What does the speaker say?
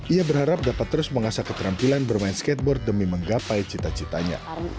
ia berharap dapat terus mengasah keterampilan bermain skateboard demi menggapai cita citanya